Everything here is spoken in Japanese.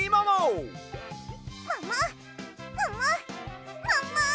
もももももも！